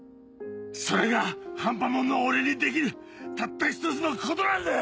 それが半端もんの俺にできるたったひとつのことなんだよ！